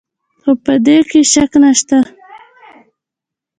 خو په دې کې شک نشته.